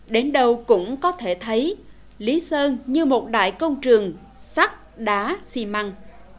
đến đầu cũng có thể thấy lý sơn như một đại công trường sắt đá xi măng